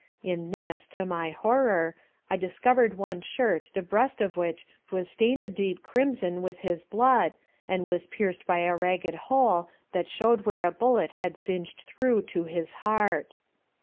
In this, to my horror, I discovered one shirt the breast of which was stained a deep crimson with his blood, and pierced by a ragged hole that showed where a bullet had singed through into his heart.